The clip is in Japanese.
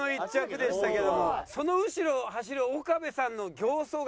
その後ろを走る岡部さんの形相が。